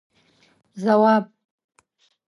ځواب: